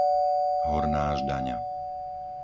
Horná Ždaňa